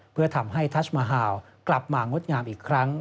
เพื่อทำให้ทัชมาฮาวกลับมางดงามอีกครั้ง